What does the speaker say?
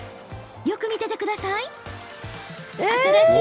よく見ててください。